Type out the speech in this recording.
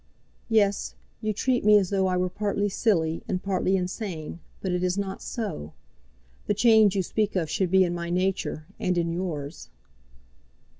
"Yes; you treat me as though I were partly silly, and partly insane; but it is not so. The change you speak of should be in my nature, and in yours."